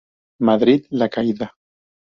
Madrid, La Caída.